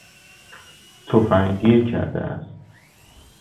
تفنگ گیر کرده است.